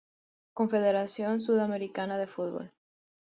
Confederación Sudamericana de Fútbol